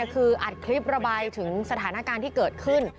คืออัดคลิประบายถึงสถานการณ์ที่เกิดขึ้น